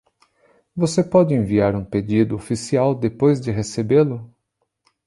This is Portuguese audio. Você pode enviar um pedido oficial depois de recebê-lo?